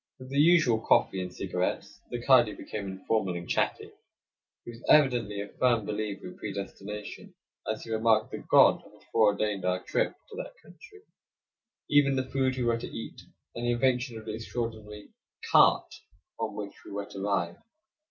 With the usual coffee and cigarettes, the kadi became informal and chatty. He was evidently a firm believer in predestination, as he remarked that God had foreordained our trip to that country, even the food we were to eat, and the invention of the extraordinary "cart" on which we were to ride.